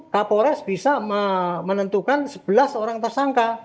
kapolres bisa menentukan sebelas orang tersangka